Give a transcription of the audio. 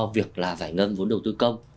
việc là giải ngân vốn đầu tư công